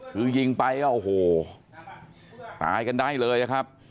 คือยิงไปก็โอ้โหตายกันได้เลยนะครับ